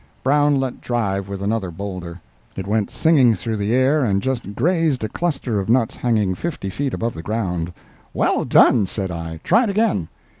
Brown let drive with another boulder. It went singing through the air and just grazed a cluster of nuts hanging fifty feet above ground.' "Well done!" said I; "try it again."